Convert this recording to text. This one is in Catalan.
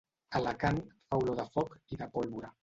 Alacant fa olor de foc i de pólvora.